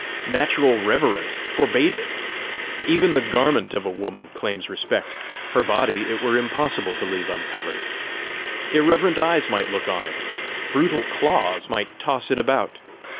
Natural reverence forbade it. Even the garment of a woman claims respect; her body it were impossible to leave uncovered! Irreverent eyes might look on it! Brutal claws might toss it about!